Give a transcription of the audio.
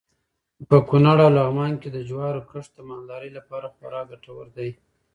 په کونړ او لغمان کې د جوارو کښت د مالدارۍ لپاره خورا ګټور دی.